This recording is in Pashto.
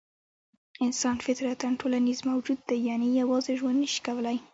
انسان فطرتاً ټولنیز موجود دی؛ یعنې یوازې ژوند نه شي کولای.